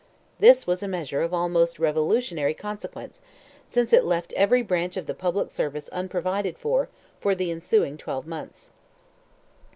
This was a measure of almost revolutionary consequence, since it left every branch of the public service unprovided for, for the ensuing twelve months.